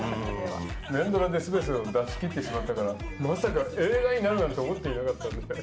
連ドラですべてを出し切ってしまったから、まさか映画になるなんて思っていなかったんで。